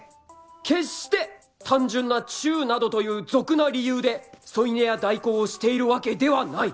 決して単純なチューなどという俗な理由で添い寝屋代行をしているわけではない